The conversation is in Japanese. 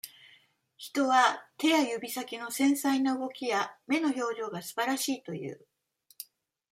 人は、手や指先の繊細な動きや、目の表情がすばらしいという。